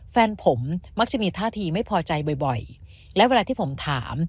แฟนผมมักจะมีท่าทีไม่พอใจบ่อยและเวลาที่ผมถาม